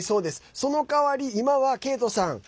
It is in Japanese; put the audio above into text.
その代わり、今はケイトさん